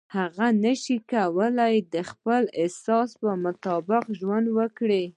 هغه نشي کولای د خپل احساس مطابق ژوند وکړي.